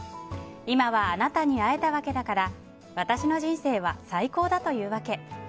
今はあなたに会えたわけだから私の人生は最高だというわけ。